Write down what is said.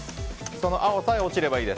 その青さえ落ちればいいです。